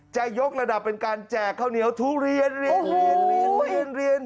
จะยกระดับเป็นการแจกข้าวเหนียวทุเรียน